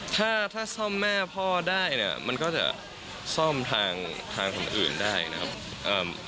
ถ้าถ้าซ่อมแม่พ่อได้เนี่ยมันก็จะซ่อมทางทางคนอื่นได้นะครับ